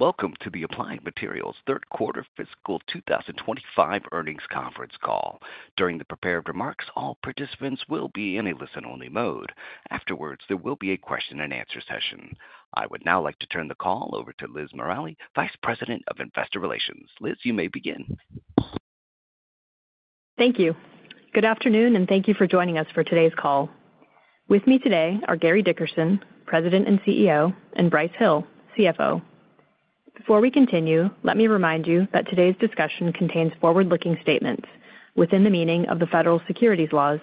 Welcome to the Applied Materials Third Quarter Fiscal 2025 Earnings Conference Call. During the prepared remarks, all participants will be in a listen-only mode. Afterwards, there will be a question-and-answer session. I would now like to turn the call over to Liz Morali, Vice President of Investor Relations. Liz, you may begin. Thank you. Good afternoon, and thank you for joining us for today's call. With me today are Gary Dickerson, President and CEO, and Brice Hill, CFO. Before we continue, let me remind you that today's discussion contains forward-looking statements within the meaning of the Federal Securities Laws,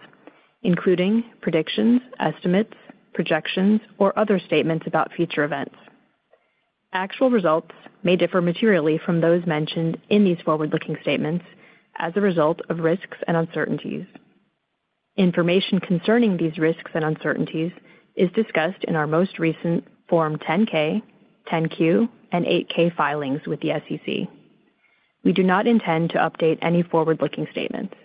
including predictions, estimates, projections, or other statements about future events. Actual results may differ materially from those mentioned in these forward-looking statements as a result of risks and uncertainties. Information concerning these risks and uncertainties is discussed in our most recent Form 10-K, 10-Q, and 8-K filings with the SEC. We do not intend to update any forward-looking statements.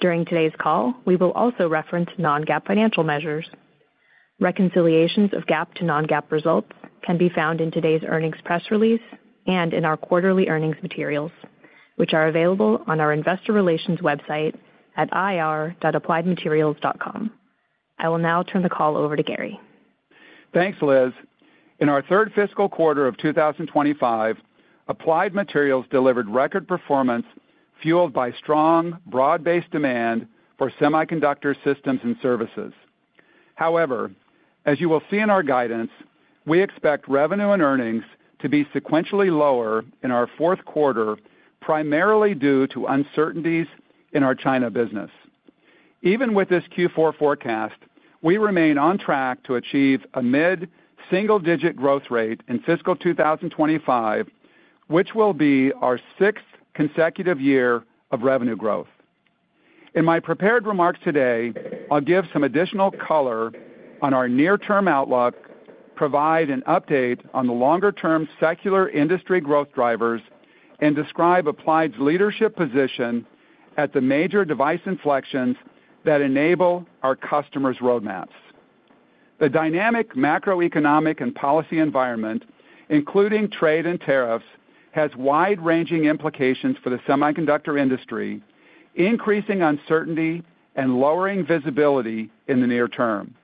During today's call, we will also reference non-GAAP financial measures. Reconciliations of GAAP to non-GAAP results can be found in today's earnings press release and in our quarterly earnings materials, which are available on our Investor Relations website at ir.appliedmaterials.com. I will now turn the call over to Gary. Thanks, Liz. In our third fiscal quarter of 2025, Applied Materials delivered record performance, fueled by strong, broad-based demand for semiconductor systems and services. However, as you will see in our guidance, we expect revenue and earnings to be sequentially lower in our fourth quarter, primarily due to uncertainties in our China business. Even with this Q4 forecast, we remain on track to achieve a mid-single-digit growth rate in fiscal 2025, which will be our sixth consecutive year of revenue growth. In my prepared remarks today, I'll give some additional color on our near-term outlook, provide an update on the longer-term secular industry growth drivers, and describe Applied's leadership position at the major device inflections that enable our customers' roadmaps. The dynamic macroeconomic and policy environment, including trade and tariffs, has wide-ranging implications for the semiconductor industry, increasing uncertainty and lowering visibility in the near term.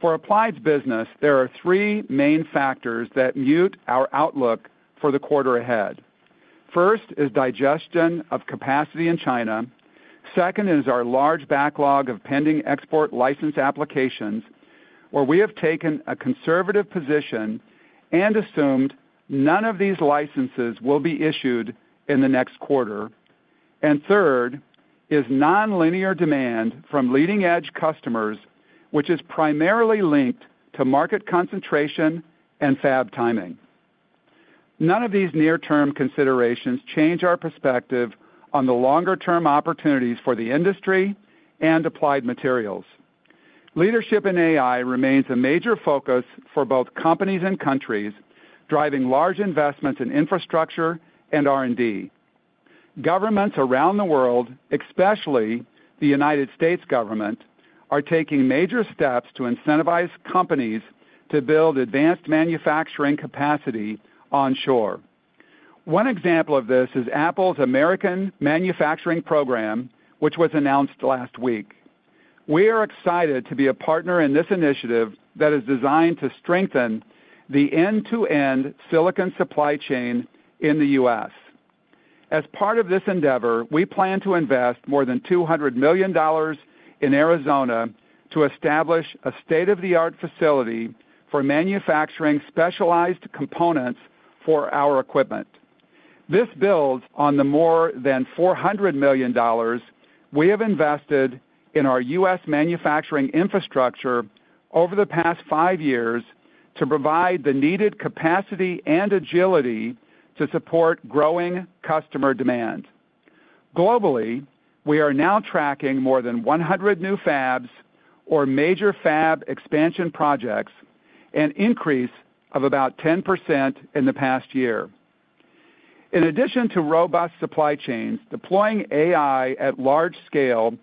For Applied's business, there are three main factors that mute our outlook for the quarter ahead. First is digestion of capacity in China. Second is our large backlog of pending export license applications, where we have taken a conservative position and assumed none of these licenses will be issued in the next quarter. Third is nonlinear demand from leading-edge customers, which is primarily linked to market concentration and fab timing. None of these near-term considerations change our perspective on the longer-term opportunities for the industry and Applied Materials. Leadership in AI remains a major focus for both companies and countries, driving large investments in infrastructure and R&D. Governments around the world, especially the U.S. government, are taking major steps to incentivize companies to build advanced manufacturing capacity onshore. One example of this is Apple's American Manufacturing Program, which was announced last week. We are excited to be a partner in this initiative that is designed to strengthen the end-to-end silicon supply chain in the U.S. As part of this endeavor, we plan to invest more than $200 million in Arizona to establish a state-of-the-art facility for manufacturing specialized components for our equipment. This builds on the more than $400 million we have invested in our U.S. manufacturing infrastructure over the past five years to provide the needed capacity and agility to support growing customer demand. Globally, we are now tracking more than 100 new fabs or major fab expansion projects, an increase of about 10% in the past year. In addition to robust supply chains, deploying AI at large scale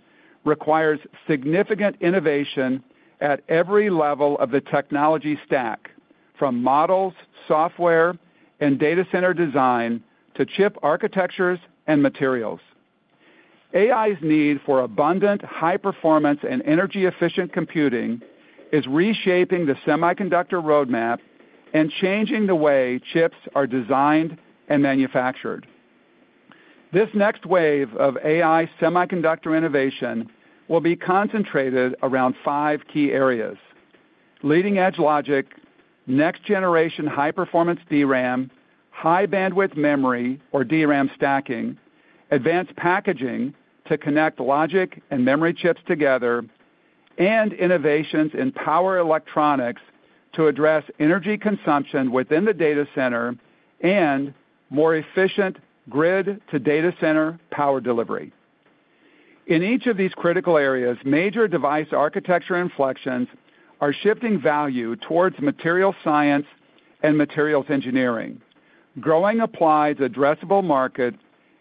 requires significant innovation at every level of the technology stack, from models, software, and data center design to chip architectures and materials. AI's need for abundant, high-performance, and energy-efficient computing is reshaping the semiconductor roadmap and changing the way chips are designed and manufactured. This next wave of AI semiconductor innovation will be concentrated around five key areas: leading-edge logic, next-generation high-performance DRAM, high-bandwidth memory or DRAM stacking, advanced packaging to connect logic and memory chips together, and innovations in power electronics to address energy consumption within the data center and more efficient grid-to-data center power delivery. In each of these critical areas, major device architecture inflections are shifting value towards material science and materials engineering, growing Applied Materials' addressable market,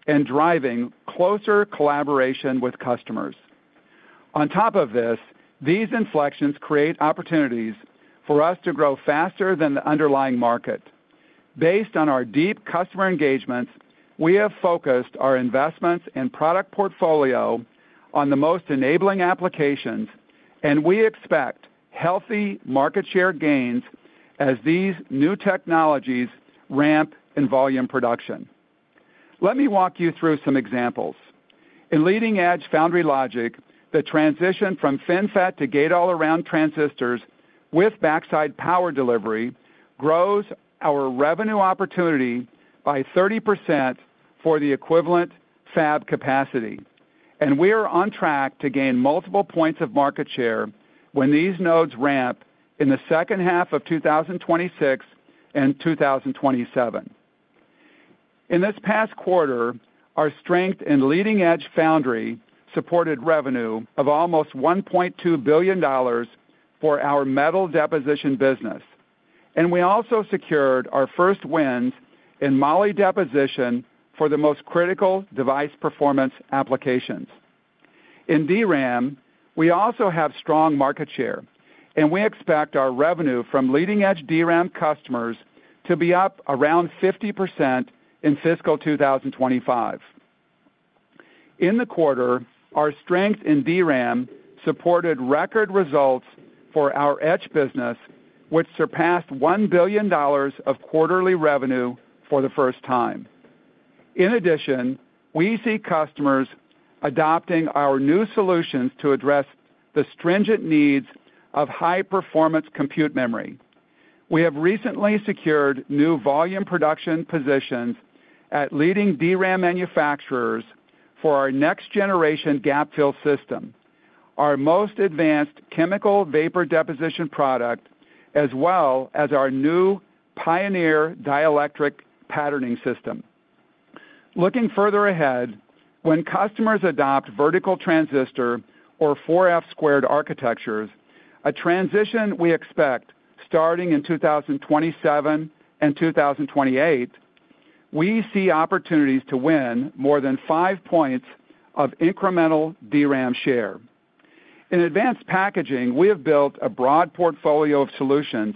and driving closer collaboration with customers. On top of this, these inflections create opportunities for us to grow faster than the underlying market. Based on our deep customer engagements, we have focused our investments and product portfolio on the most enabling applications, and we expect healthy market share gains as these new technologies ramp in volume production. Let me walk you through some examples. In leading-edge foundry logic, the transition from FinFET to gate-all-around transistors with backside power delivery grows our revenue opportunity by 30% for the equivalent fab capacity, and we are on track to gain multiple points of market share when these nodes ramp in the second half of 2026 and 2027. In this past quarter, our strength in leading-edge foundry supported revenue of almost $1.2 billion for our metal deposition business, and we also secured our first wins in MOLE deposition for the most critical device performance applications. In DRAM, we also have strong market share, and we expect our revenue from leading-edge DRAM customers to be up around 50% in fiscal 2025. In the quarter, our strength in DRAM supported record results for our edge business, which surpassed $1 billion of quarterly revenue for the first time. In addition, we see customers adopting our new solutions to address the stringent needs of high-performance compute memory. We have recently secured new volume production positions at leading DRAM manufacturers for our next-generation GAA-filled system, our most advanced chemical vapor deposition product, as well as our new Pioneer dielectric patterning system. Looking further ahead, when customers adopt vertical transistor or 4F2 architectures, a transition we expect starting in 2027 and 2028, we see opportunities to win more than five points of incremental DRAM share. In advanced packaging, we have built a broad portfolio of solutions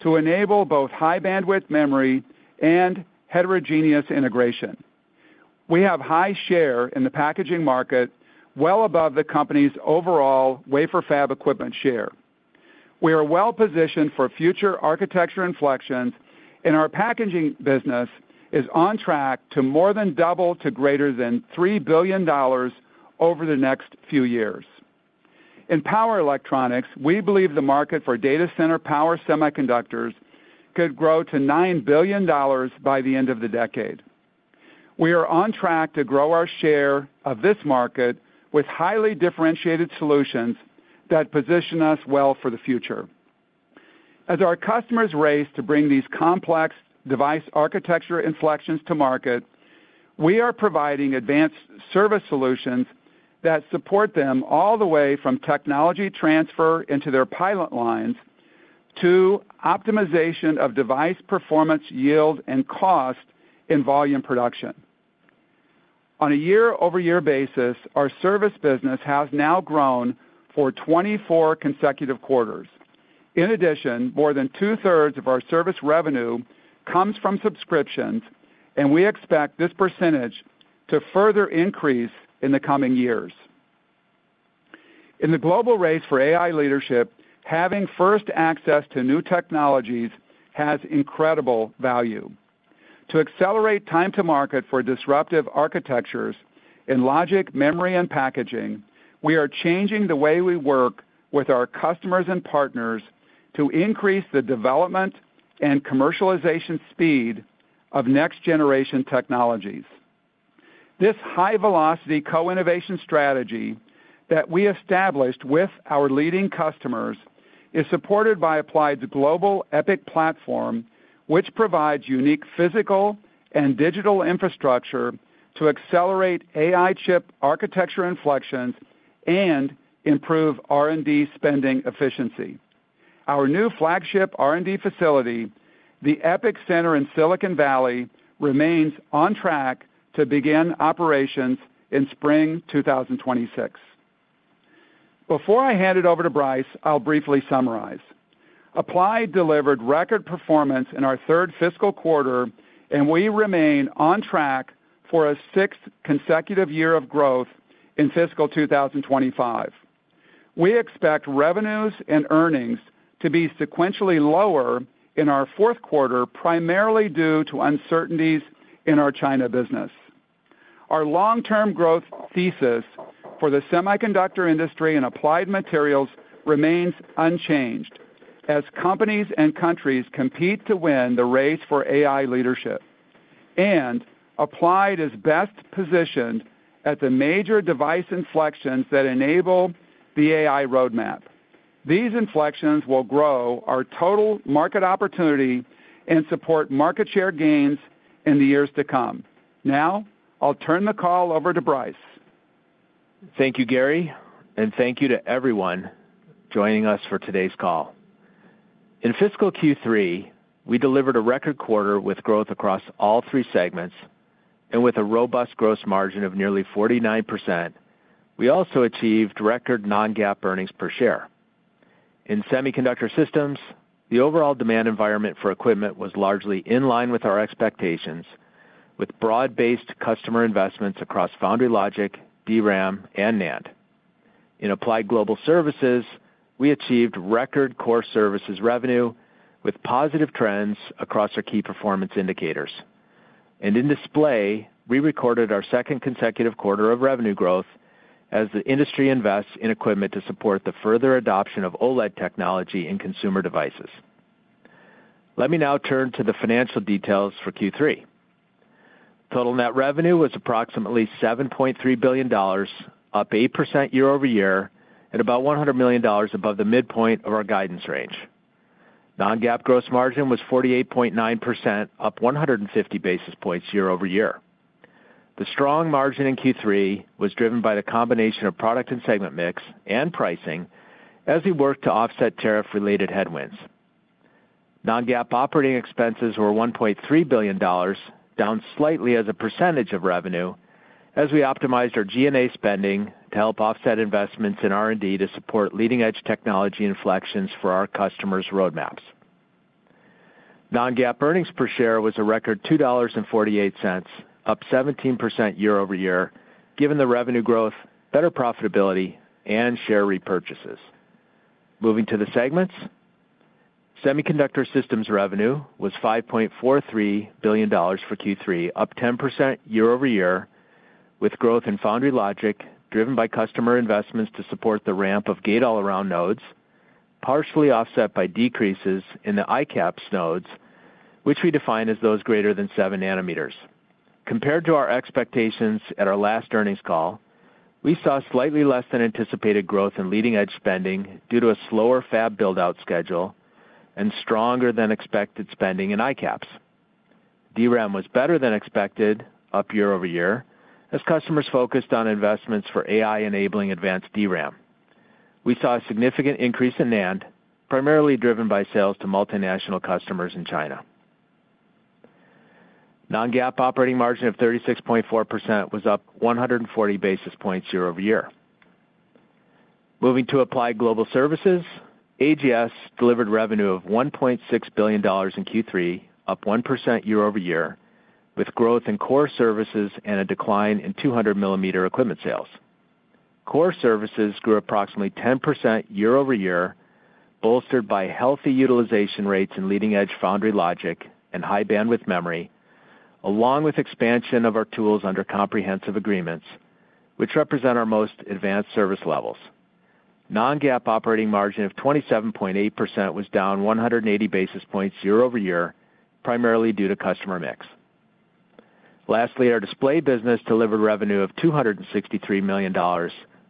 to enable both high-bandwidth memory and heterogeneous integration. We have high share in the packaging market, well above the company's overall wafer fab equipment share. We are well positioned for future architecture inflections, and our packaging business is on track to more than double to greater than $3 billion over the next few years. In power electronics, we believe the market for data center power semiconductors could grow to $9 billion by the end of the decade. We are on track to grow our share of this market with highly differentiated solutions that position us well for the future. As our customers race to bring these complex device architecture inflections to market, we are providing advanced service solutions that support them all the way from technology transfer into their pilot lines to optimization of device performance, yield, and cost in volume production. On a year-over-year basis, our service business has now grown for 24 consecutive quarters. In addition, more than two-thirds of our service revenue comes from subscriptions, and we expect this percentage to further increase in the coming years. In the global race for AI leadership, having first access to new technologies has incredible value. To accelerate time-to-market for disruptive architectures in logic, memory, and packaging, we are changing the way we work with our customers and partners to increase the development and commercialization speed of next-generation technologies. This high-velocity co-innovation strategy that we established with our leading customers is supported by Applied's global EPIC platform, which provides unique physical and digital infrastructure to accelerate AI chip architecture inflections and improve R&D spending efficiency. Our new flagship R&D facility, the EPIC Center in Silicon Valley, remains on track to begin operations in spring 2026. Before I hand it over to Brice, I'll briefly summarize. Applied Materials delivered record performance in our third fiscal quarter, and we remain on track for a sixth consecutive year of growth in fiscal 2025. We expect revenues and earnings to be sequentially lower in our fourth quarter, primarily due to uncertainties in our China business. Our long-term growth thesis for the semiconductor industry and Applied Materials remains unchanged as companies and countries compete to win the race for AI leadership, and Applied is best positioned at the major device inflections that enable the AI roadmap. These inflections will grow our total market opportunity and support market share gains in the years to come. Now, I'll turn the call over to Brice. Thank you, Gary, and thank you to everyone joining us for today's call. In fiscal Q3, we delivered a record quarter with growth across all three segments, and with a robust gross margin of nearly 49%, we also achieved record non-GAAP earnings per share. In semiconductor systems, the overall demand environment for equipment was largely in line with our expectations, with broad-based customer investments across foundry logic, DRAM, and NAND. In Applied Global Services, we achieved record core services revenue with positive trends across our key performance indicators. In display, we recorded our second consecutive quarter of revenue growth as the industry invests in equipment to support the further adoption of OLED technology in consumer devices. Let me now turn to the financial details for Q3. Total net revenue was approximately $7.3 billion, up 8% year-over-year, and about $100 million above the midpoint of our guidance range. Non-GAAP gross margin was 48.9%, up 150 basis points year-over-year. The strong margin in Q3 was driven by the combination of product and segment mix and pricing as we worked to offset tariff-related headwinds. Non-GAAP operating expenses were $1.3 billion, down slightly as a percentage of revenue, as we optimized our G&A spending to help offset investments in R&D to support leading-edge technology inflections for our customers' roadmaps. Non-GAAP earnings per share was a record $2.48, up 17% year-over-year, given the revenue growth, better profitability, and share repurchases. Moving to the segments, semiconductor systems revenue was $5.43 billion for Q3, up 10% year-over-year, with growth in foundry logic driven by customer investments to support the ramp of gate-all-around nodes, partially offset by decreases in the ICAPS nodes, which we define as those greater than 7 nm. Compared to our expectations at our last earnings call, we saw slightly less than anticipated growth in leading-edge spending due to a slower fab build-out schedule and stronger than expected spending in ICAPS. DRAM was better than expected, up year-over-year, as customers focused on investments for AI-enabling advanced DRAM. We saw a significant increase in NAND, primarily driven by sales to multinational customers in China. Non-GAAP operating margin of 36.4% was up 140 basis points year-over-year. Moving to Applied Global Services, AGS delivered revenue of $1.6 billion in Q3, up 1% year-over-year, with growth in core services and a decline in 200 mm equipment sales. Core services grew approximately 10% year-over-year, bolstered by healthy utilization rates in leading-edge foundry logic and high-bandwidth memory, along with expansion of our tools under comprehensive agreements, which represent our most advanced service levels. Non-GAAP operating margin of 27.8% was down 180 basis points year-over-year, primarily due to customer mix. Lastly, our display business delivered revenue of $263 million,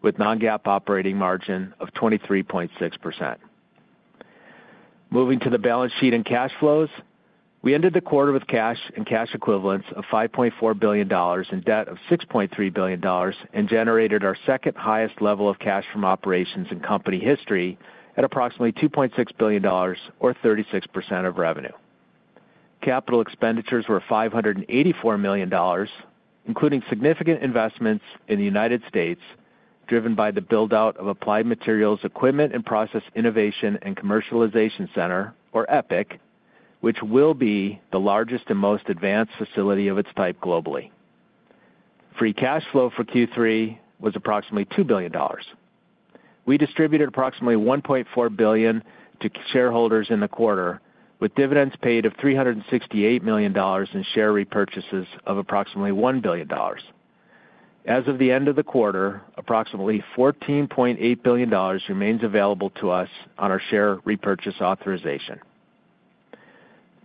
with non-GAAP operating margin of 23.6%. Moving to the balance sheet and cash flows, we ended the quarter with cash and cash equivalents of $5.4 billion, in debt of $6.3 billion, and generated our second highest level of cash from operations in company history at approximately $2.6 billion, or 36% of revenue. Capital expenditures were $584 million, including significant investments in the United States, driven by the build-out of Applied Materials Equipment and Process Innovation and Commercialization Center, or EPIC, which will be the largest and most advanced facility of its type globally. Free cash flow for Q3 was approximately $2 billion. We distributed approximately $1.4 billion to shareholders in the quarter, with dividends paid of $368 million and share repurchases of approximately $1 billion. As of the end of the quarter, approximately $14.8 billion remains available to us on our share repurchase authorization.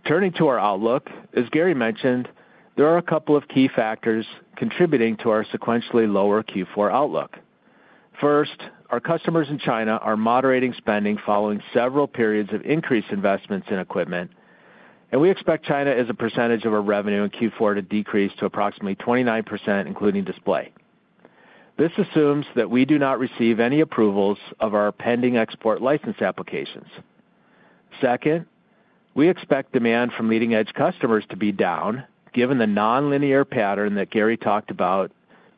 Turning to our outlook, as Gary mentioned, there are a couple of key factors contributing to our sequentially lower Q4 outlook. First, our customers in China are moderating spending following several periods of increased investments in equipment, and we expect China as a percentage of our revenue in Q4 to decrease to approximately 29%, including display. This assumes that we do not receive any approvals of our pending export license applications. Second, we expect demand from leading-edge customers to be down, given the nonlinear pattern that Gary talked about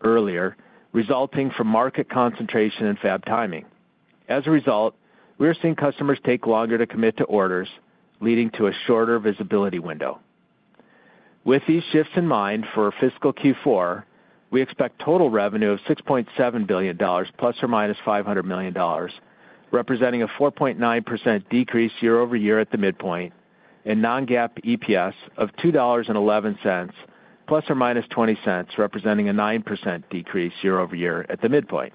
earlier, resulting from market concentration and fab timing. As a result, we are seeing customers take longer to commit to orders, leading to a shorter visibility window. With these shifts in mind for fiscal Q4, we expect total revenue of $6.7 billion, ±$500 million, representing a 4.9% decrease year-over-year at the midpoint, and non-GAAP EPS of $2.11, ±$0.20, representing a 9% decrease year-over-year at the midpoint.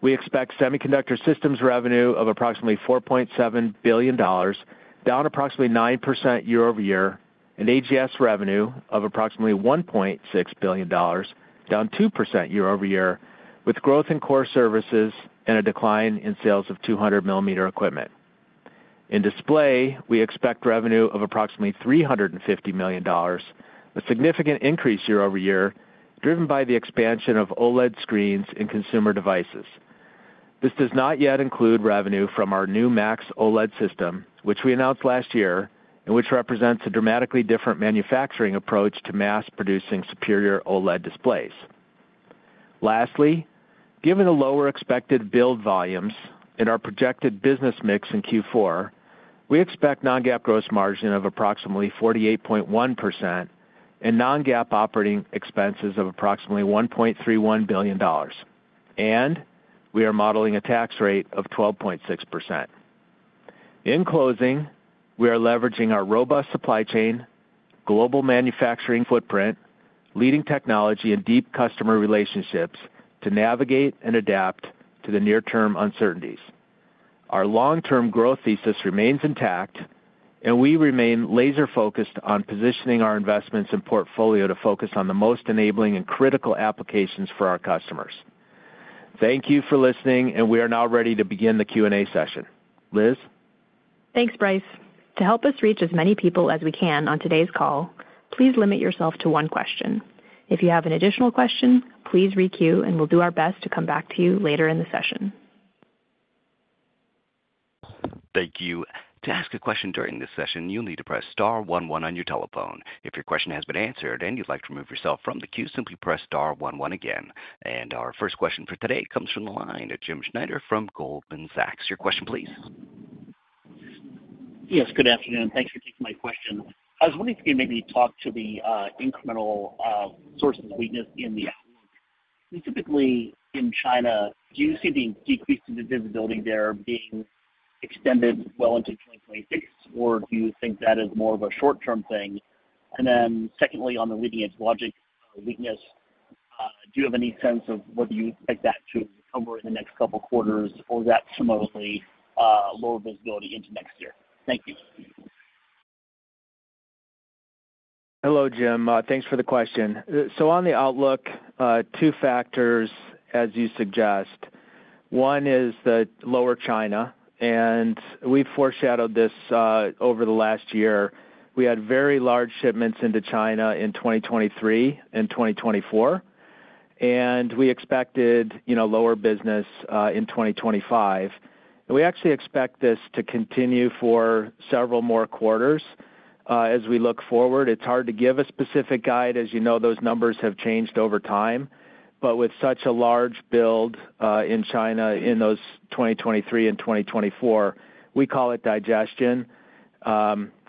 We expect semiconductor systems revenue of approximately $4.7 billion, down approximately 9% year-over-year, and AGS revenue of approximately $1.6 billion, down 2% year-over-year, with growth in core services and a decline in sales of 200 mm equipment. In display, we expect revenue of approximately $350 million, a significant increase year-over-year, driven by the expansion of OLED screens in consumer devices. This does not yet include revenue from our new Max OLED system, which we announced last year, and which represents a dramatically different manufacturing approach to mass-producing superior OLED displays. Lastly, given the lower expected build volumes and our projected business mix in Q4, we expect non-GAAP gross margin of approximately 48.1% and non-GAAP operating expenses of approximately $1.31 billion, and we are modeling a tax rate of 12.6%. In closing, we are leveraging our robust supply chain, global manufacturing footprint, leading technology, and deep customer relationships to navigate and adapt to the near-term uncertainties. Our long-term growth thesis remains intact, and we remain laser-focused on positioning our investments and portfolio to focus on the most enabling and critical applications for our customers. Thank you for listening, and we are now ready to begin the Q&A session. Liz? Thanks, Brice. To help us reach as many people as we can on today's call, please limit yourself to one question. If you have an additional question, please re-queue and we'll do our best to come back to you later in the session. Thank you. To ask a question during this session, you'll need to press star one one on your telephone. If your question has been answered and you'd like to remove yourself from the queue, simply press star one one again. Our first question for today comes from the line of Jim Schneider from Goldman Sachs. Your question, please. Yes, good afternoon. Thanks for taking my question. I was wondering if you could maybe talk to the incremental sources of weakness in the outlook. Specifically, in China, do you see the decrease in visibility there being extended well into 2026, or do you think that is more of a short-term thing? Secondly, on the leading-edge logic weakness, do you have any sense of what you expect that to cover in the next couple of quarters, or is that simultaneously lower visibility into next year? Thank you. Hello, Jim. Thanks for the question. On the outlook, two factors, as you suggest. One is the lower China, and we've foreshadowed this over the last year. We had very large shipments into China in 2023 and 2024, and we expected, you know, lower business in 2025. We actually expect this to continue for several more quarters as we look forward. It's hard to give a specific guide. As you know, those numbers have changed over time. With such a large build in China in those 2023 and 2024, we call it digestion.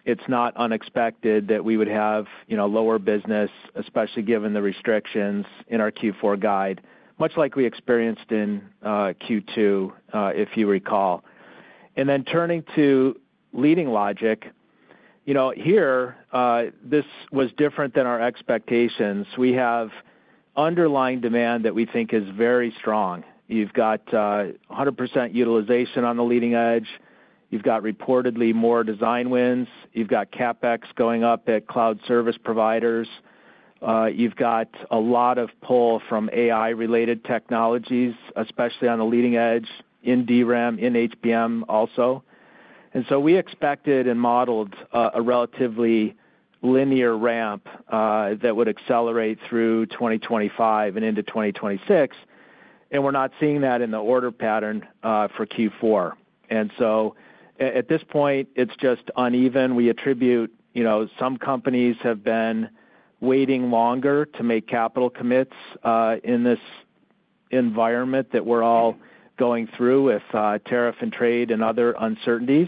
It's not unexpected that we would have, you know, lower business, especially given the restrictions in our Q4 guide, much like we experienced in Q2, if you recall. Turning to leading logic, here, this was different than our expectations. We have underlying demand that we think is very strong. You've got 100% utilization on the leading edge. You've got reportedly more design wins. You've got CapEx going up at cloud service providers. You've got a lot of pull from AI-related technologies, especially on the leading edge in DRAM, in HBM also. We expected and modeled a relatively linear ramp that would accelerate through 2025 and into 2026. We're not seeing that in the order pattern for Q4. At this point, it's just uneven. We attribute, you know, some companies have been waiting longer to make capital commits in this environment that we're all going through with tariff and trade and other uncertainties.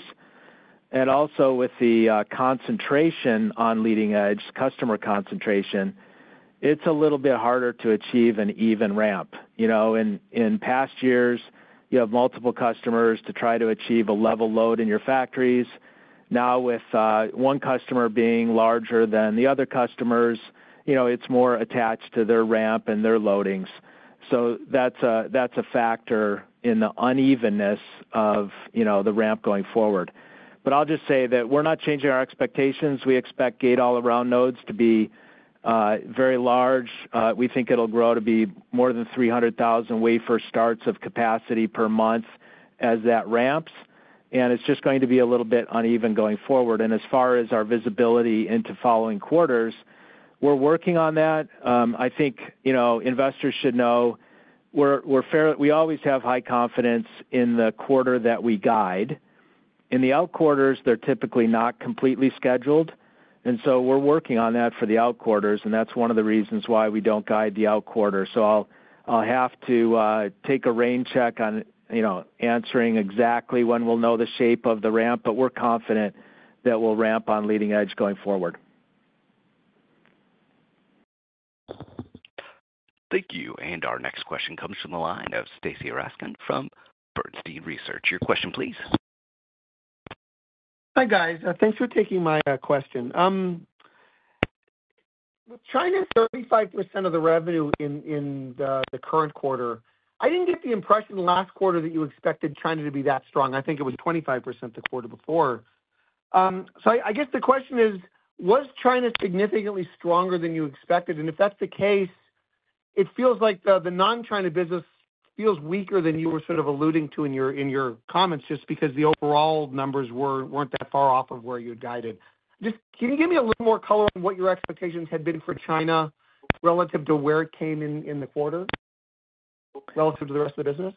Also, with the concentration on leading edge customer concentration, it's a little bit harder to achieve an even ramp. In past years, you have multiple customers to try to achieve a level load in your factories. Now, with one customer being larger than the other customers, it's more attached to their ramp and their loadings. That's a factor in the unevenness of the ramp going forward. I'll just say that we're not changing our expectations. We expect gate-all-around nodes to be very large. We think it'll grow to be more than 300,000 wafer starts of capacity per month as that ramps. It's just going to be a little bit uneven going forward. As far as our visibility into following quarters, we're working on that. I think investors should know we always have high confidence in the quarter that we guide. In the out quarters, they're typically not completely scheduled. We're working on that for the out quarters, and that's one of the reasons why we don't guide the out quarter. I'll have to take a rain check on answering exactly when we'll know the shape of the ramp, but we're confident that we'll ramp on leading edge going forward. Thank you. Our next question comes from the line of Stacy Rasgon from Bernstein Research. Your question, please. Hi, guys. Thanks for taking my question. China's 35% of the revenue in the current quarter. I didn't get the impression the last quarter that you expected China to be that strong. I think it was 25% the quarter before. I guess the question is, was China significantly stronger than you expected? If that's the case, it feels like the non-China business feels weaker than you were sort of alluding to in your comments, just because the overall numbers weren't that far off of where you had guided. Can you give me a little more color on what your expectations had been for China relative to where it came in the quarter relative to the rest of the business?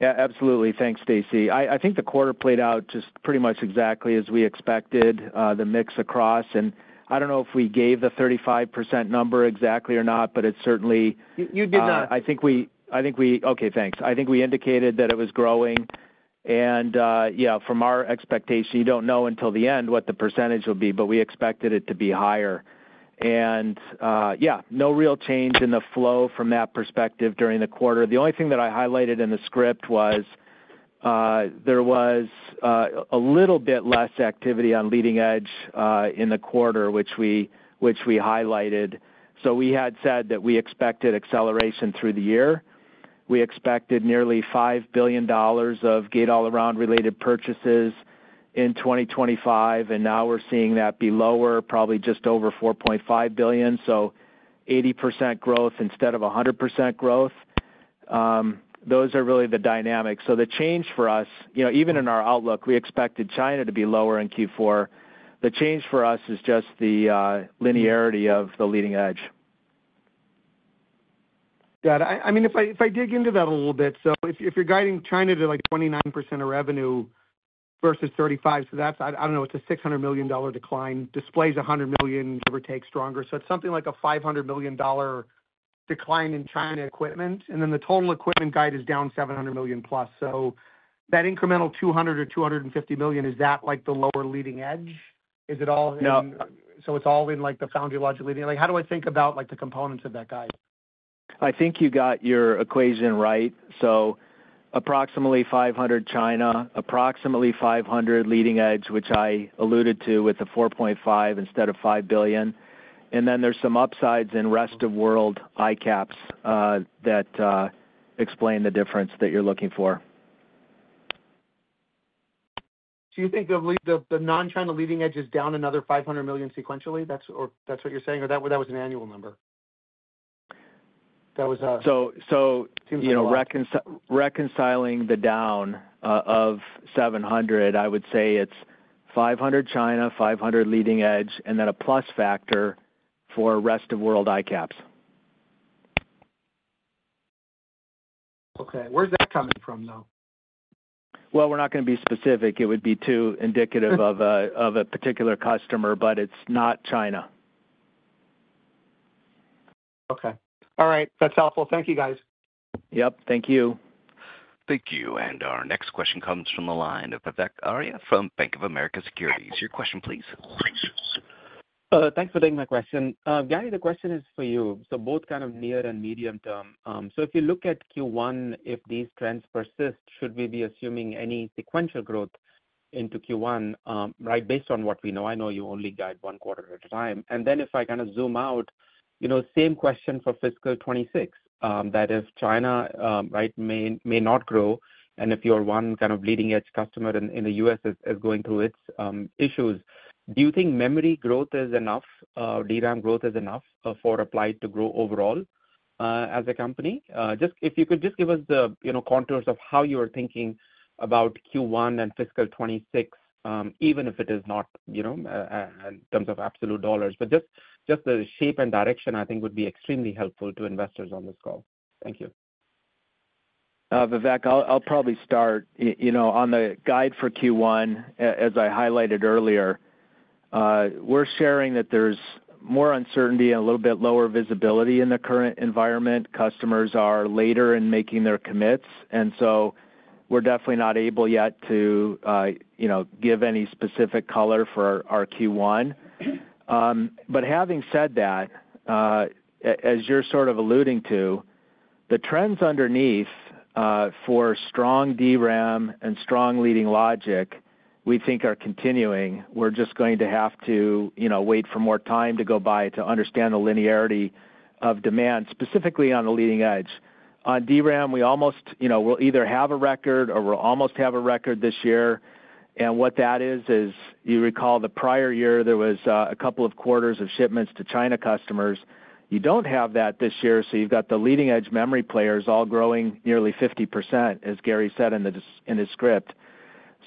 Yeah, absolutely. Thanks, Stacy. I think the quarter played out just pretty much exactly as we expected, the mix across. I don't know if we gave the 35% number exactly or not, but it's certainly. You did not. I think we indicated that it was growing. From our expectation, you don't know until the end what the percentage will be, but we expected it to be higher. No real change in the flow from that perspective during the quarter. The only thing that I highlighted in the script was there was a little bit less activity on leading edge in the quarter, which we highlighted. We had said that we expected acceleration through the year. We expected nearly $5 billion of gate-all-around related purchases in 2025, and now we're seeing that be lower, probably just over $4.5 billion. 80% growth instead of 100% growth. Those are really the dynamics. The change for us, even in our outlook, we expected China to be lower in Q4. The change for us is just the linearity of the leading edge. Got it. I mean, if I dig into that a little bit, if you're guiding China to like 29% of revenue versus 35%, that's, I don't know, it's a $600 million decline. Display is $100 million, give or take, stronger. It's something like a $500 million decline in China equipment. The total equipment guide is down $700 million+. That incremental $200 million or $250 million, is that like the lower leading edge? Is it all in? It's all in like the foundry logic leading edge. How do I think about the components of that guide? I think you got your equation right. Approximately $500 million China, approximately $500 million leading edge, which I alluded to with the $4.5 billion instead of $5 billion. There are some upsides in rest of world ICAPS that explain the difference that you're looking for. Do you think the non-China leading edge is down another $500 million sequentially? That's what you're saying? Or was that an annual number? Reconciling the down of $700 million, I would say it's $500 million China, $500 million leading edge, and then a plus factor for rest of world ICAPS. Okay, where's that coming from, though? We're not going to be specific. It would be too indicative of a particular customer, but it's not China. Okay. All right. That's helpful. Thank you, guys. Thank you. Thank you. Our next question comes from the line of Vivek Arya from Bank of America Securities. Your question, please. Thanks for taking my question. Gary, the question is for you. Both kind of near and medium term. If you look at Q1, if these trends persist, should we be assuming any sequential growth into Q1, right, based on what we know? I know you only guide one quarter at a time. If I kind of zoom out, same question for fiscal 2026, that if China may not grow, and if your one kind of leading-edge customer in the U.S. is going through its issues, do you think memory growth is enough, DRAM growth is enough for Applied Materials to grow overall as a company? If you could just give us the contours of how you are thinking about Q1 and fiscal 2026, even if it is not in terms of absolute dollars. Just the shape and direction, I think, would be extremely helpful to investors on this call. Thank you. Vivek, I'll probably start on the guide for Q1. As I highlighted earlier, we're sharing that there's more uncertainty and a little bit lower visibility in the current environment. Customers are later in making their commits, and we're definitely not able yet to give any specific color for our Q1. Having said that, as you're sort of alluding to, the trends underneath for strong DRAM and strong leading logic, we think are continuing. We're just going to have to wait for more time to go by to understand the linearity of demand, specifically on the leading edge. On DRAM, we'll either have a record or we'll almost have a record this year. What that is, is you recall the prior year, there was a couple of quarters of shipments to China customers. You don't have that this year, so you've got the leading-edge memory players all growing nearly 50%, as Gary said in his script.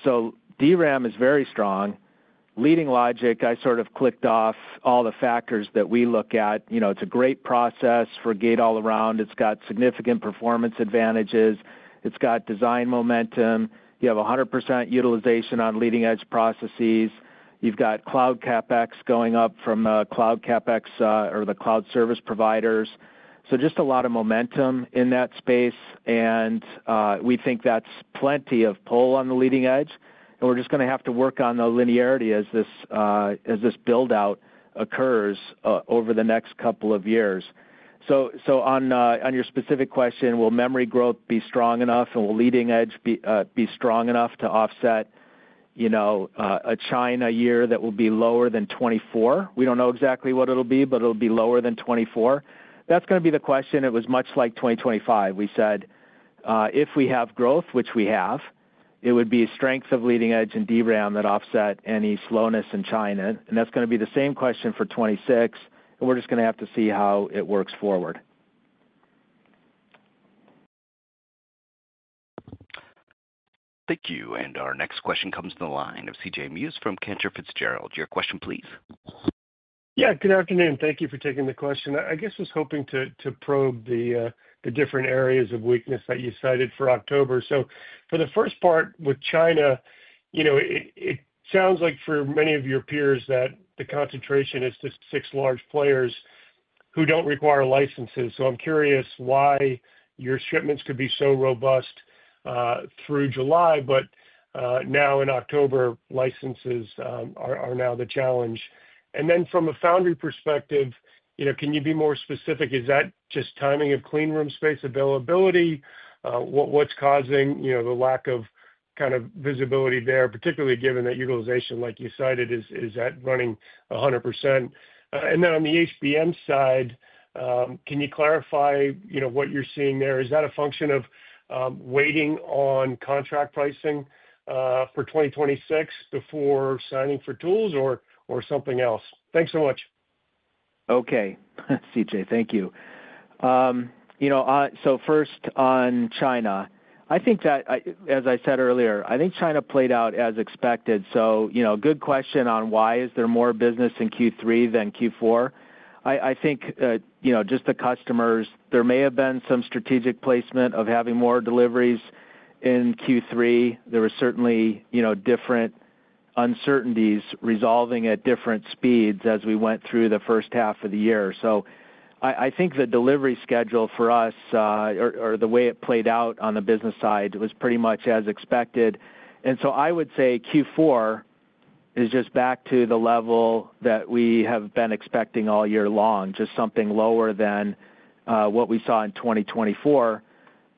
DRAM is very strong. Leading logic, I sort of clicked off all the factors that we look at. It's a great process for gate-all-around. It's got significant performance advantages. It's got design momentum. You have 100% utilization on leading-edge processes. You've got cloud CapEx going up from cloud CapEx or the cloud service providers. Just a lot of momentum in that space. We think that's plenty of pull on the leading edge, and we're just going to have to work on the linearity as this build-out occurs over the next couple of years. On your specific question, will memory growth be strong enough and will leading edge be strong enough to offset a China year that will be lower than 2024? We don't know exactly what it'll be, but it'll be lower than 2024. That's going to be the question. It was much like 2025. We said if we have growth, which we have, it would be a strength of leading edge and DRAM that offset any slowness in China. That's going to be the same question for 2026, and we're just going to have to see how it works forward. Thank you. Our next question comes from the line of CJ Muse from Cantor Fitzgerald. Your question, please. Yeah, good afternoon. Thank you for taking the question. I guess I was hoping to probe the different areas of weakness that you cited for October. For the first part with China, it sounds like for many of your peers that the concentration is just six large players who don't require licenses. I'm curious why your shipments could be so robust through July, but now in October, licenses are now the challenge. From a foundry perspective, can you be more specific? Is that just timing of clean room space availability? What's causing the lack of kind of visibility there, particularly given that utilization, like you cited, is running 100%? On the HBM side, can you clarify what you're seeing there? Is that a function of waiting on contract pricing for 2026 before signing for tools or something else? Thanks so much. Okay, CJ, thank you. First on China, as I said earlier, I think China played out as expected. Good question on why there is more business in Q3 than Q4. I think just the customers, there may have been some strategic placement of having more deliveries in Q3. There were certainly different uncertainties resolving at different speeds as we went through the first half of the year. I think the delivery schedule for us, or the way it played out on the business side, was pretty much as expected. I would say Q4 is just back to the level that we have been expecting all year long, just something lower than what we saw in 2024.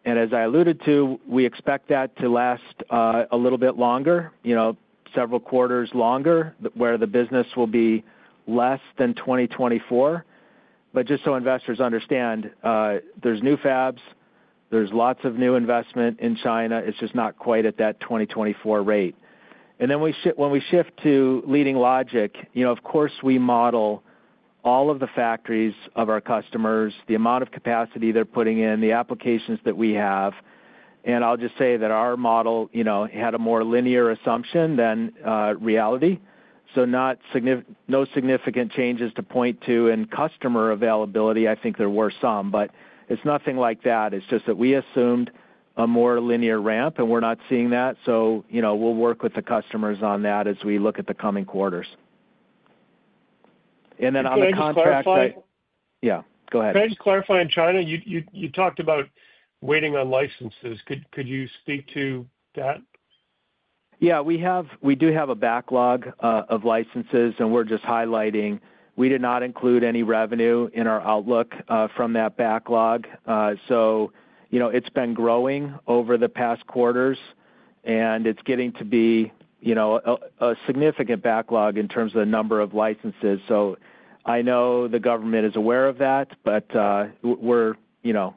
As I alluded to, we expect that to last a little bit longer, several quarters longer, where the business will be less than 2024. Just so investors understand, there are new fabs, there is lots of new investment in China. It is just not quite at that 2024 rate. When we shift to leading logic, of course, we model all of the factories of our customers, the amount of capacity they are putting in, the applications that we have. I will just say that our model had a more linear assumption than reality. No significant changes to point to in customer availability. I think there were some, but it is nothing like that. It is just that we assumed a more linear ramp, and we are not seeing that. We will work with the customers on that as we look at the coming quarters. On the contract, yeah, go ahead. Can I just clarify, in China, you talked about waiting on licenses. Could you speak to that? Yeah, we do have a backlog of licenses, and we're just highlighting. We did not include any revenue in our outlook from that backlog. It's been growing over the past quarters, and it's getting to be a significant backlog in terms of the number of licenses. I know the government is aware of that, but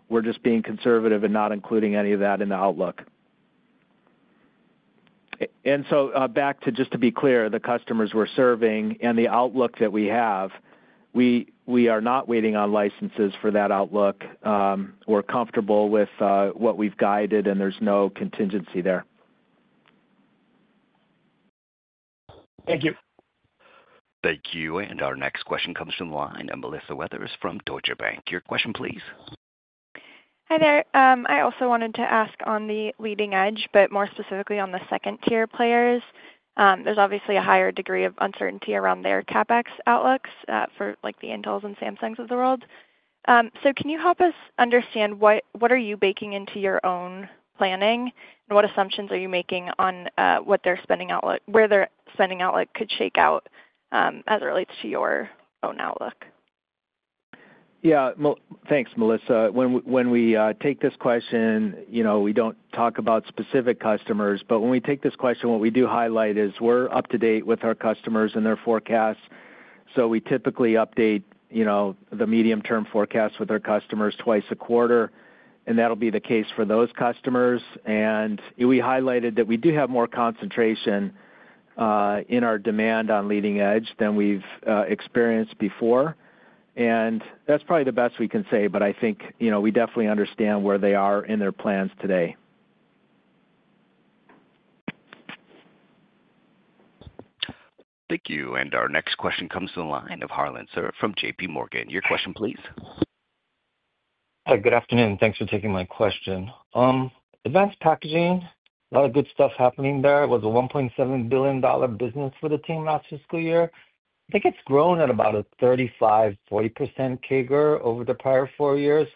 we're just being conservative and not including any of that in the outlook. Back to just to be clear, the customers we're serving and the outlook that we have, we are not waiting on licenses for that outlook. We're comfortable with what we've guided, and there's no contingency there. Thank you. Thank you. Our next question comes from the line of Melissa Weathers from Deutsche Bank. Your question, please. Hi there. I also wanted to ask on the leading edge, but more specifically on the second-tier players. There's obviously a higher degree of uncertainty around their CapEx outlooks for like the Intels and Samsungs of the world. Can you help us understand what are you baking into your own planning and what assumptions are you making on what their spending outlook, where their spending outlook could shake out as it relates to your own outlook? Yeah, thanks, Melissa. When we take this question, you know, we don't talk about specific customers, but when we take this question, what we do highlight is we're up to date with our customers and their forecasts. We typically update, you know, the medium-term forecasts with our customers twice a quarter, and that'll be the case for those customers. We highlighted that we do have more concentration in our demand on leading edge than we've experienced before. That's probably the best we can say, but I think, you know, we definitely understand where they are in their plans today. Thank you. Our next question comes from the line of Harlan Sur from JPMorgan. Your question, please. Good afternoon. Thanks for taking my question. Advanced packaging, a lot of good stuff happening there. It was a $1.7 billion business for the team last fiscal year. I think it's grown at about a 35%, 40% CAGR over the prior four years.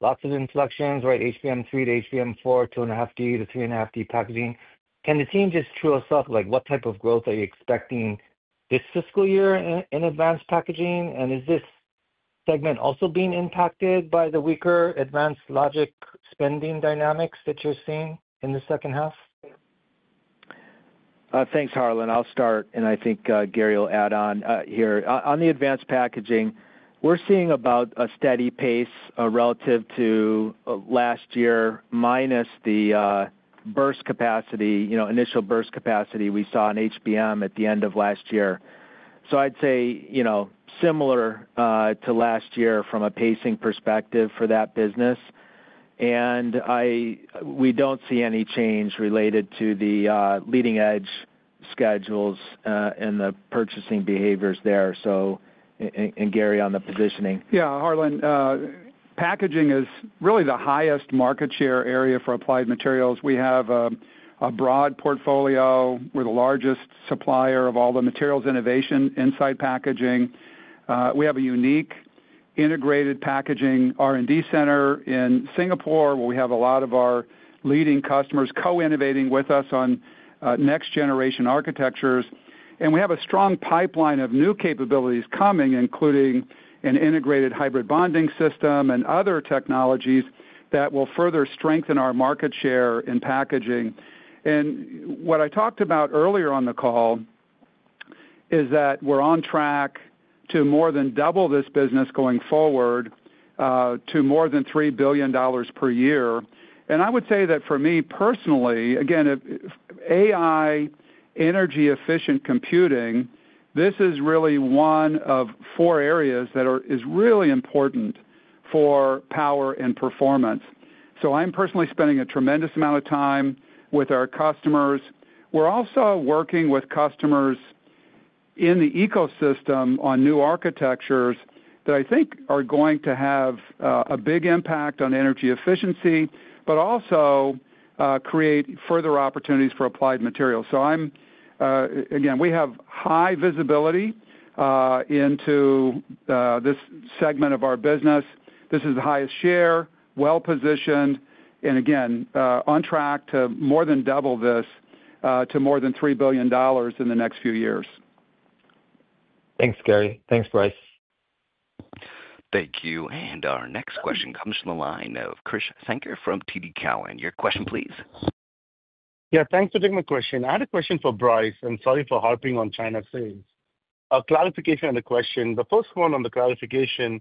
Lots of inflections, right? HBM3 to HBM4, 2.5D to 3.5D packaging. Can the team just true us up? Like what type of growth are you expecting this fiscal year in advanced packaging? Is this segment also being impacted by the weaker advanced logic spending dynamics that you're seeing in the second half? Thanks, Harlan. I'll start, and I think Gary will add on here. On the advanced packaging, we're seeing about a steady pace relative to last year, minus the burst capacity, you know, initial burst capacity we saw in HBM at the end of last year. I'd say, you know, similar to last year from a pacing perspective for that business. We don't see any change related to the leading edge schedules and the purchasing behaviors there. Gary, on the positioning. Yeah, Harlan, packaging is really the highest market share area for Applied Materials. We have a broad portfolio. We're the largest supplier of all the materials innovation inside packaging. We have a unique integrated packaging R&D center in Singapore, where we have a lot of our leading customers co-innovating with us on next-generation architectures. We have a strong pipeline of new capabilities coming, including an integrated hybrid bonding system and other technologies that will further strengthen our market share in packaging. What I talked about earlier on the call is that we're on track to more than double this business going forward to more than $3 billion per year. I would say that for me personally, again, if AI, energy-efficient computing, this is really one of four areas that are really important for power and performance. I'm personally spending a tremendous amount of time with our customers. We're also working with customers in the ecosystem on new architectures that I think are going to have a big impact on energy efficiency, but also create further opportunities for Applied Materials. We have high visibility into this segment of our business. This is the highest share, well-positioned, and again, on track to more than double this to more than $3 billion in the next few years. Thanks, Gary. Thanks, Brice. Thank you. Our next question comes from the line of Krish Sankar from TD Cowan. Your question, please. Yeah, thanks for taking the question. I had a question for Brice, and sorry for harping on China things. A clarification on the question. The first one on the clarification,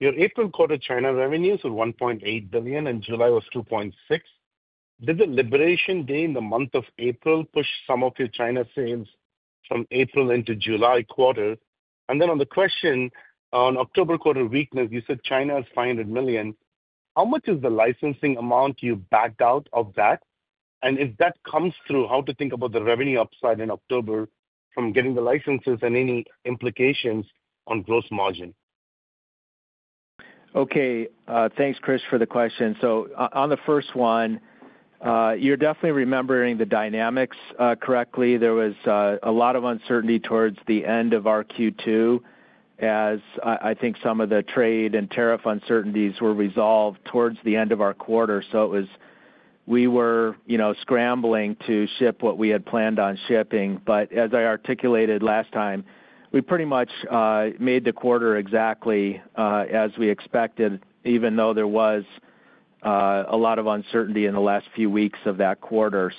your April quarter China revenues were $1.8 billion and July was $2.6 billion. Did the Liberation Day in the month of April push some of your China sales from April into the July quarter? On the question on October quarter weakness, you said China is $500 million. How much is the licensing amount you backed out of that? If that comes through, how to think about the revenue upside in October from getting the licenses and any implications on gross margin? Okay, thanks, Krish, for the question. On the first one, you're definitely remembering the dynamics correctly. There was a lot of uncertainty towards the end of our Q2, as I think some of the trade and tariff uncertainties were resolved towards the end of our quarter. We were scrambling to ship what we had planned on shipping. As I articulated last time, we pretty much made the quarter exactly as we expected, even though there was a lot of uncertainty in the last few weeks of that quarter.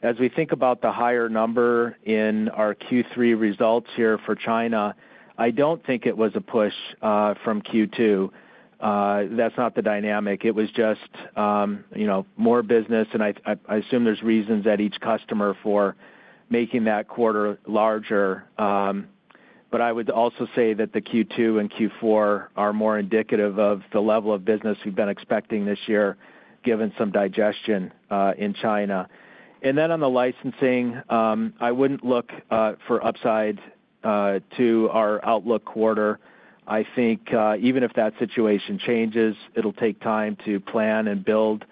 As we think about the higher number in our Q3 results here for China, I don't think it was a push from Q2. That's not the dynamic. It was just more business, and I assume there's reasons at each customer for making that quarter larger. I would also say that the Q2 and Q4 are more indicative of the level of business we've been expecting this year, given some digestion in China. On the licensing, I wouldn't look for upsides to our outlook quarter. I think even if that situation changes, it'll take time to plan and build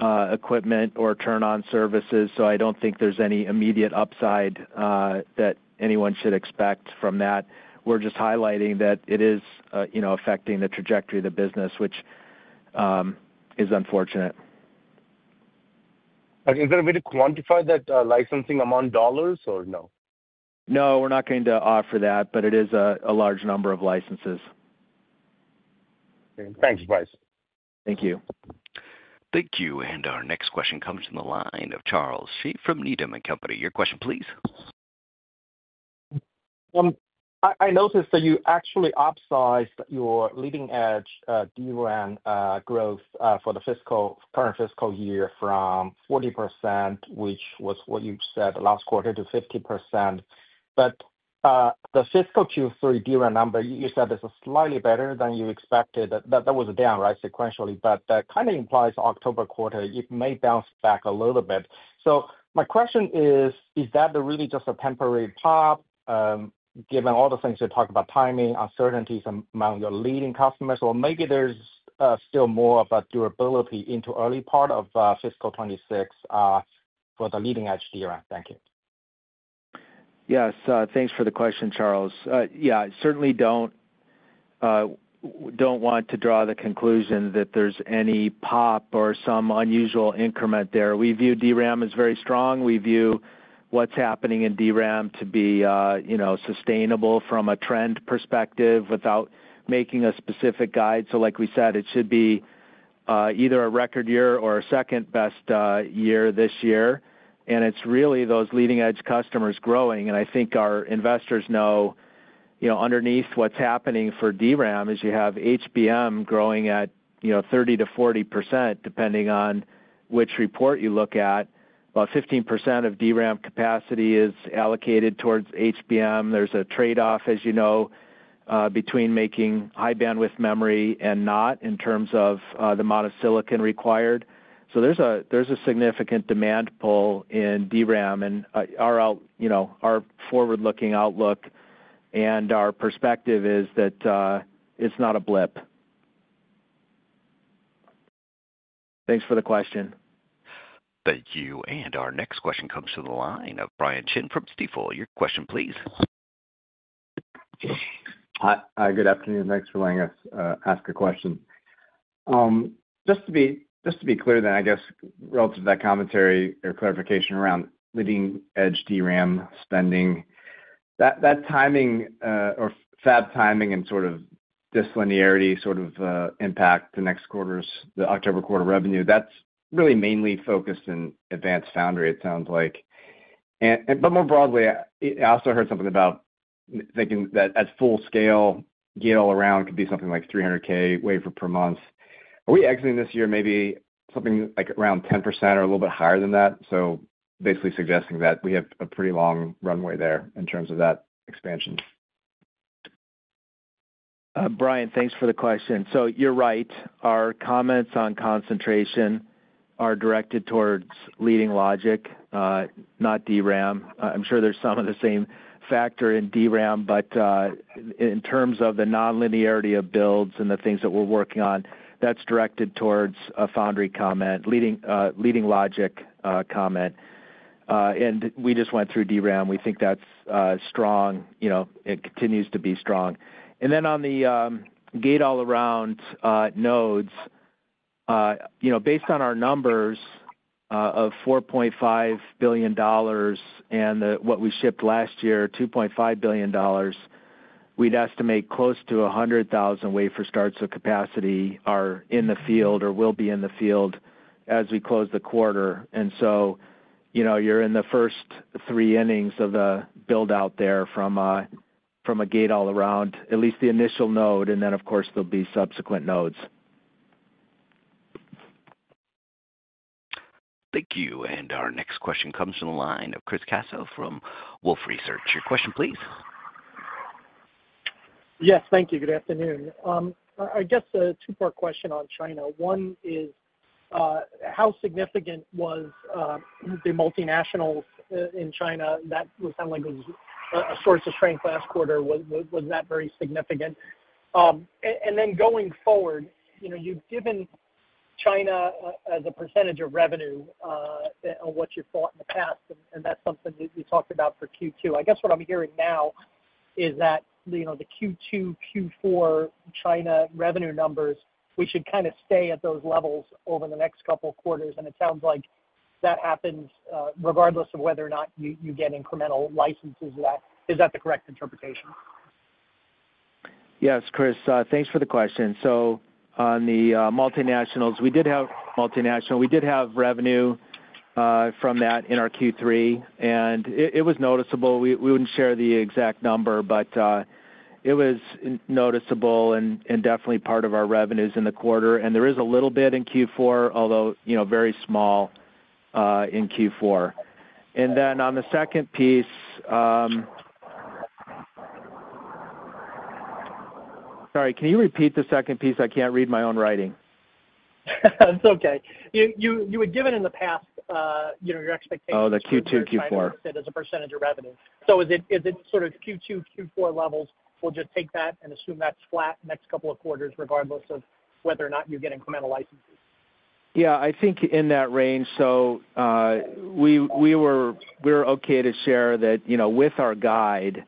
equipment or turn on services. I don't think there's any immediate upside that anyone should expect from that. We're just highlighting that it is affecting the trajectory of the business, which is unfortunate. Is that a way to quantify that licensing amount dollars, or no? No, we're not going to offer that, but it is a large number of licenses. Thanks, Bryce. Thank you. Thank you. Our next question comes from the line of Charles Shi from Needham & Company. Your question, please. I noticed that you actually optimized your leading-edge DRAM growth for the current fiscal year from 40%—which was what you said last quarter—to 50%. The fiscal Q3 DRAM number, you said this is slightly better than you expected. That was down, right, sequentially. That kind of implies October quarter, it may bounce back a little bit. My question is, is that really just a temporary pop, given all the things you talked about, timing, uncertainties among your leading customers, or maybe there's still more of a durability into the early part of fiscal 2026 for the leading-edge DRAM? Thank you. Yes, thanks for the question, Charles. I certainly don't want to draw the conclusion that there's any pop or some unusual increment there. We view DRAM as very strong. We view what's happening in DRAM to be sustainable from a trend perspective without making a specific guide. Like we said, it should be either a record year or a second best year this year. It's really those leading edge customers growing. I think our investors know, underneath what's happening for DRAM is you have HBM growing at 30%-40%, depending on which report you look at. About 15% of DRAM capacity is allocated towards HBM. There's a trade-off, as you know, between making high-bandwidth memory and not in terms of the amount of silicon required. There's a significant demand pull in DRAM. Our forward-looking outlook and our perspective is that it's not a blip. Thanks for the question. Thank you. Our next question comes from the line of Brian Chin from Stifel. Your question, please. Hi, good afternoon. Thanks for letting us ask a question. Just to be clear then, I guess relative to that commentary or clarification around leading-edge DRAM spending, that timing or fab timing and sort of dislinearity sort of impact the next quarter's, the October quarter revenue, that's really mainly focused in advanced foundry, it sounds like. More broadly, I also heard something about thinking that at full scale, gate-all-around could be something like $300,000 wafer per month. Are we exiting this year maybe something like around 10% or a little bit higher than that? Basically suggesting that we have a pretty long runway there in terms of that expansion. Brian, thanks for the question. You're right. Our comments on concentration are directed towards leading logic, not DRAM. I'm sure there's some of the same factor in DRAM, but in terms of the nonlinearity of builds and the things that we're working on, that's directed towards a foundry comment, leading logic comment. We just went through DRAM. We think that's strong. It continues to be strong. On the gate-all-around nodes, based on our numbers of $4.5 billion and what we shipped last year, $2.5 billion, we'd estimate close to 100,000 wafer starts of capacity are in the field or will be in the field as we close the quarter. You're in the first three innings of the build-out there from a gate-all-around, at least the initial node, and then, of course, there'll be subsequent nodes. Thank you. Our next question comes from the line of Chris Caso from Wolfe Research. Your question, please. Yes, thank you. Good afternoon. I guess a two-part question on China. One is how significant was the multinationals in China? That was kind of like a source of strength last quarter. Was that very significant? Going forward, you've given China as a percentage of revenue on what you thought in the past, and that's something you talked about for Q2. I guess what I'm hearing now is that the Q2, Q4 China revenue numbers, we should kind of stay at those levels over the next couple of quarters, and it sounds like that happens regardless of whether or not you get incremental licenses. Is that the correct interpretation? Yes, Chris, thanks for the question. On the multinationals, we did have revenue from that in our Q3, and it was noticeable. We wouldn't share the exact number, but it was noticeable and definitely part of our revenues in the quarter. There is a little bit in Q4, although, you know, very small in Q4. On the second piece, sorry, can you repeat the second piece? I can't read my own writing. It's okay. You had given in the past, you know, your expectations. Oh, the Q2, Q4. As a percentage of revenue, is it sort of Q2, Q4 levels? We'll just take that and assume that's flat in the next couple of quarters, regardless of whether or not you get incremental licenses? I think in that range. We were okay to share that, you know, with our guide,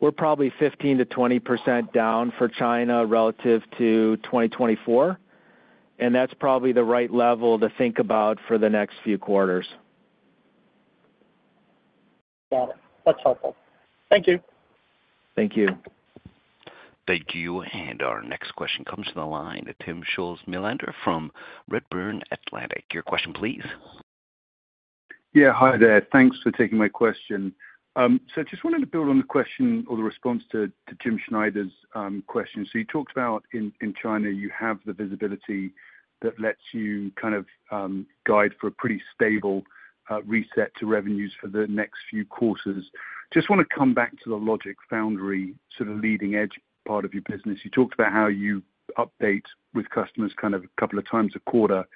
we're probably 15% to 20% down for China relative to 2024. That's probably the right level to think about for the next few quarters. Got it. That's helpful. Thank you. Thank you. Thank you. Our next question comes from the line of Timm Schulze-Melander from Redburn Atlantic. Your question, please. Yeah, hi there. Thanks for taking my question. I just wanted to build on the question or the response to Jim Schneider's question. You talked about in China, you have the visibility that lets you kind of guide for a pretty stable reset to revenues for the next few quarters. I just want to come back to the logic foundry, sort of leading edge part of your business. You talked about how you update with customers kind of a couple of times a quarter.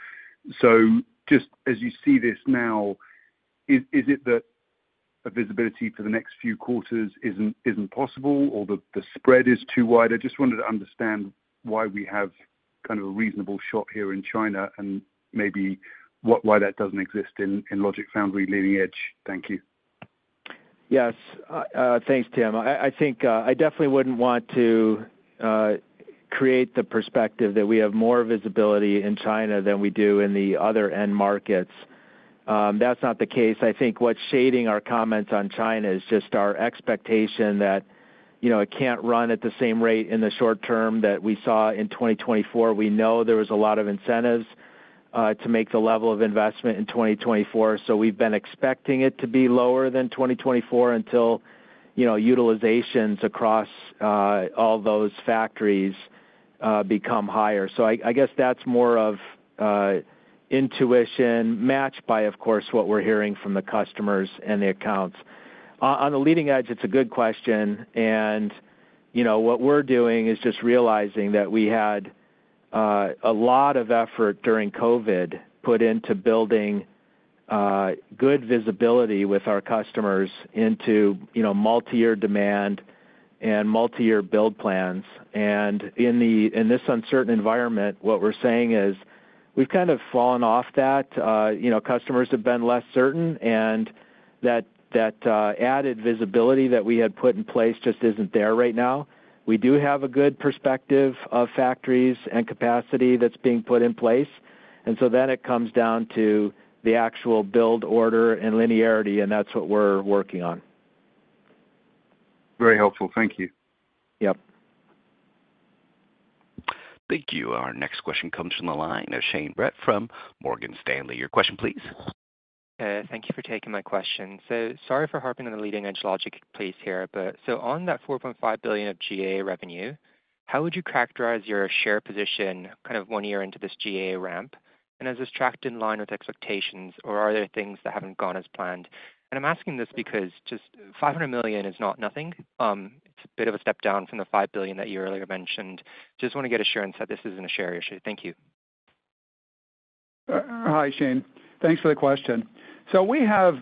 Just as you see this now, is it that a visibility for the next few quarters isn't possible or the spread is too wide? I just wanted to understand why we have kind of a reasonable shop here in China and maybe why that doesn't exist in logic foundry leading edge. Thank you. Yes, thanks, Tim. I definitely wouldn't want to create the perspective that we have more visibility in China than we do in the other end markets. That's not the case. What's shading our comments on China is just our expectation that it can't run at the same rate in the short term that we saw in 2024. We know there was a lot of incentives to make the level of investment in 2024. We've been expecting it to be lower than 2024 until utilizations across all those factories become higher. That's more of intuition matched by, of course, what we're hearing from the customers and the accounts. On the leading edge, it's a good question. What we're doing is just realizing that we had a lot of effort during COVID put into building good visibility with our customers into multi-year demand and multi-year build plans. In this uncertain environment, what we're saying is we've kind of fallen off that. Customers have been less certain, and that added visibility that we had put in place just isn't there right now. We do have a good perspective of factories and capacity that's being put in place. It comes down to the actual build order and linearity, and that's what we're working on. Very helpful. Thank you. Yep. Thank you. Our next question comes from the line of Shane Brett from Morgan Stanley. Your question, please. Thank you for taking my question. Sorry for harping on the leading-edge logic place here, but on that $4.5 billion of GA revenue, how would you characterize your share position kind of one year into this GA ramp? Is this tracked in line with expectations, or are there things that haven't gone as planned? I'm asking this because just $500 million is not nothing. It's a bit of a step down from the $5 billion that you earlier mentioned. I just want to get assurance that this isn't a share issue. Thank you. Hi, Shane. Thanks for the question. We have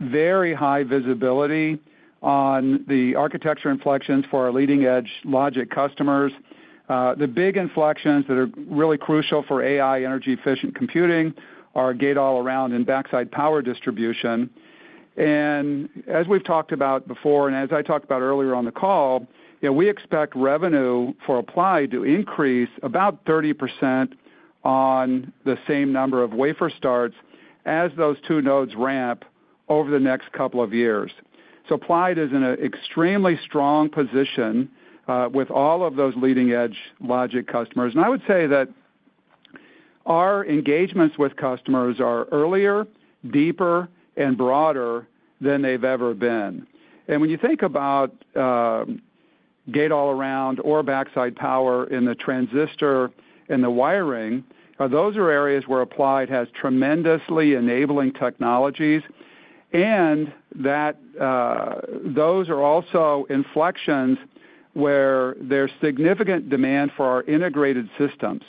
very high visibility on the architecture inflections for our leading-edge logic customers. The big inflections that are really crucial for AI energy-efficient computing are gate-all-around and backside power distribution. As we've talked about before, and as I talked about earlier on the call, we expect revenue for Applied Materials to increase about 30% on the same number of wafer starts as those two nodes ramp over the next couple of years. Applied Materials is in an extremely strong position with all of those leading-edge logic customers. I would say that our engagements with customers are earlier, deeper, and broader than they've ever been. When you think about gate-all-around or backside power in the transistor and the wiring, those are areas where Applied Materials has tremendously enabling technologies. Those are also inflections where there's significant demand for our integrated systems.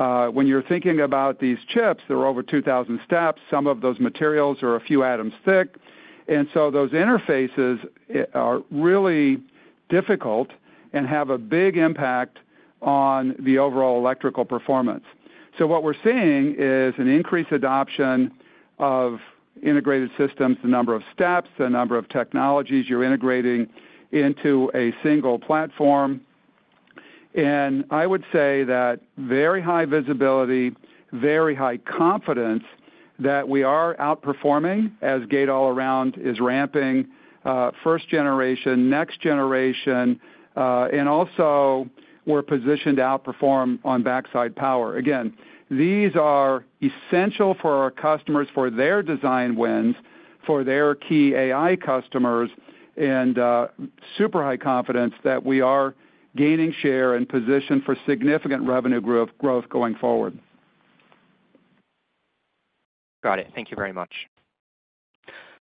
When you're thinking about these chips, they're over 2,000 steps. Some of those materials are a few atoms thick, and those interfaces are really difficult and have a big impact on the overall electrical performance. What we're seeing is an increased adoption of integrated systems, the number of steps, the number of technologies you're integrating into a single platform. I would say that very high visibility, very high confidence that we are outperforming as gate-all-around is ramping first generation, next generation, and also we're positioned to outperform on backside power. These are essential for our customers for their design wins, for their key AI customers, and super high confidence that we are gaining share and position for significant revenue growth going forward. Got it. Thank you very much.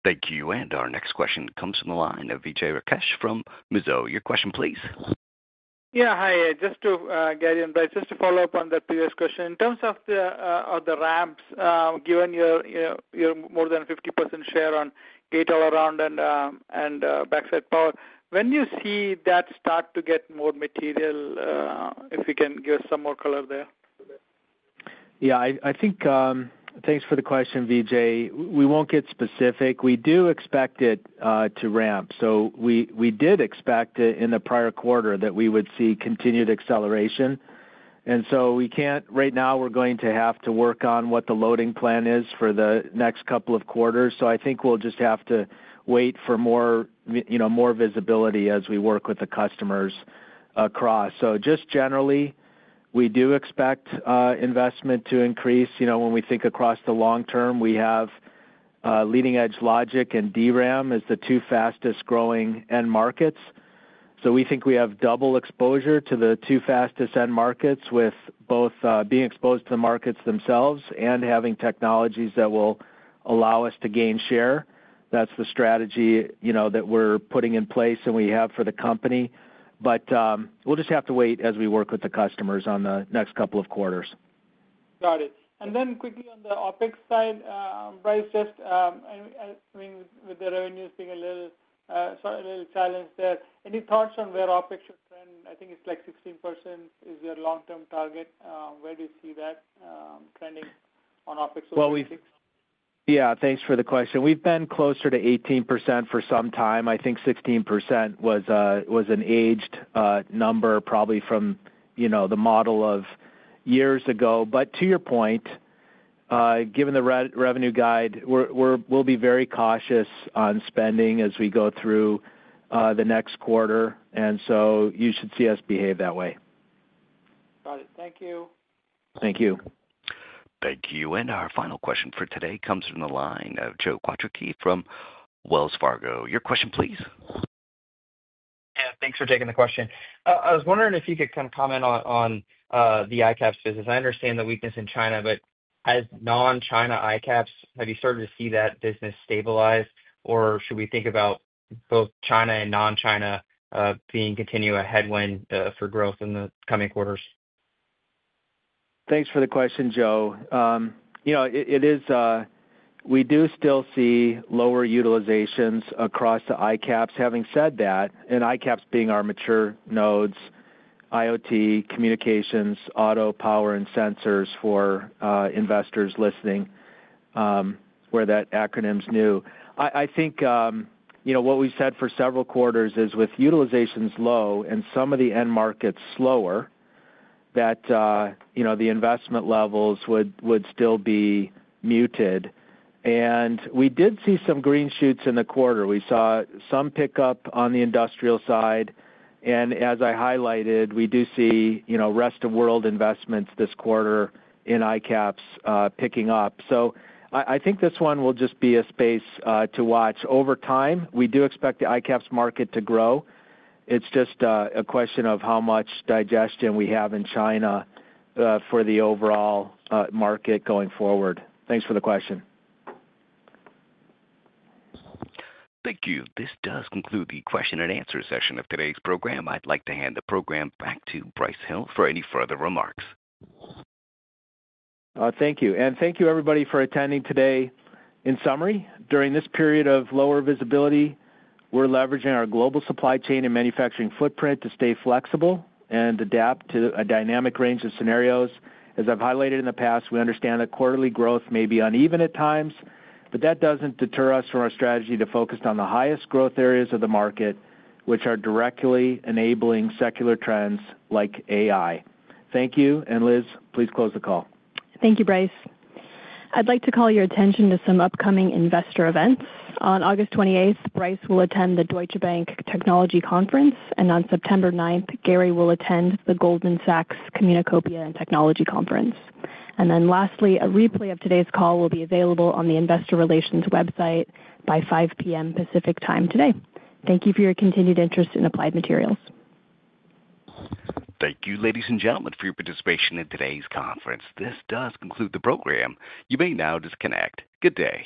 Thank you. Our next question comes from the line of Vijay Rakesh from Mizuho. Your question, please. Yeah, hi. Just to get in, just to follow up on the previous question, in terms of the ramps, given your more than 50% share on Gate-All-Around and backside power, when do you see that start to get more material? If you can give us some more color there. Yeah, I think thanks for the question, Vijay. We won't get specific. We do expect it to ramp. We did expect it in the prior quarter that we would see continued acceleration. We can't, right now, we're going to have to work on what the loading plan is for the next couple of quarters. I think we'll just have to wait for more visibility as we work with the customers across. Generally, we do expect investment to increase. When we think across the long term, we have leading edge logic and DRAM as the two fastest growing end markets. We think we have double exposure to the two fastest end markets with both being exposed to the markets themselves and having technologies that will allow us to gain share. That's the strategy that we're putting in place and we have for the company. We'll just have to wait as we work with the customers on the next couple of quarters. Got it. Quickly on the OpEx side, Brice, with the revenues being a little challenged there, any thoughts on where OpEx should trend? I think it's like 16% is your long-term target. Where do you see that trending on OpEx? Yeah, thanks for the question. We've been closer to 18% for some time. I think 16% was an aged number, probably from the model of years ago. To your point, given the revenue guide, we'll be very cautious on spending as we go through the next quarter, and you should see us behave that way. Got it. Thank you. Thank you. Thank you. Our final question for today comes from the line of Joe Quatrochi from Wells Fargo. Your question, please. Thanks for taking the question. I was wondering if you could comment on the ICAPS business. I understand the weakness in China, but as non-China ICAPS, have you started to see that business stabilize, or should we think about both China and non-China being a continuing headwind for growth in the coming quarters? Thanks for the question, Joe. We do still see lower utilizations across the ICAPS. Having said that, and ICAPS being our mature nodes, IoT, communications, auto, power, and sensors for investors listening, where that acronym is new. What we've said for several quarters is with utilizations low and some of the end markets slower, the investment levels would still be muted. We did see some green shoots in the quarter. We saw some pickup on the industrial side. As I highlighted, we do see rest of world investments this quarter in ICAPS picking up. I think this one will just be a space to watch. Over time, we do expect the ICAPS market to grow. It's just a question of how much digestion we have in China for the overall market going forward. Thanks for the question. Thank you. This does conclude the question-and-answer session of today's program. I'd like to hand the program back to Brice Hill for any further remarks. Thank you. Thank you, everybody, for attending today. In summary, during this period of lower visibility, we're leveraging our global supply chain and manufacturing footprint to stay flexible and adapt to a dynamic range of scenarios. As I've highlighted in the past, we understand that quarterly growth may be uneven at times, but that doesn't deter us from our strategy to focus on the highest growth areas of the market, which are directly enabling secular trends like AI. Thank you. Liz, please close the call. Thank you, Brice. I'd like to call your attention to some upcoming investor events. On August 28, Brice will attend the Deutsche Bank Technology Conference, and on September 9, Gary will attend the Goldman Sachs Communacopia and Technology Conference. A replay of today's call will be available on the Investor Relations website by 5:00 P.M. Pacific Time today. Thank you for your continued interest in Applied Materials. Thank you, ladies and gentlemen, for your participation in today's conference. This does conclude the program. You may now disconnect. Good day.